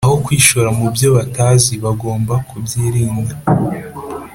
aho kwishora mu byo batazi, bagomba kubyirinda